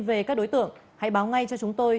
về các đối tượng hãy báo ngay cho chúng tôi